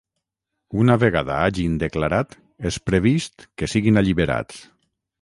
Una vegada hagin declarat, és previst que siguin alliberats.